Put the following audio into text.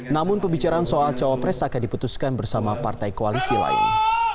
namun pembicaraan soal cawapres akan diputuskan bersama partai koalisi lain